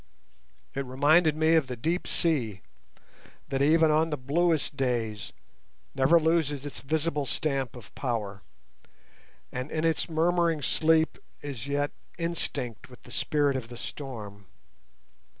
It reminded me of the deep sea, that even on the bluest days never loses its visible stamp of power, and in its murmuring sleep is yet instinct with the spirit of the storm.